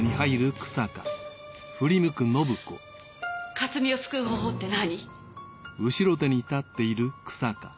克巳を救う方法って何？